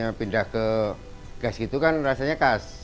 yang pindah ke gas gitu kan rasanya khas